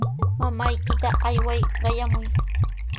Mamaykita ayway qayamuy.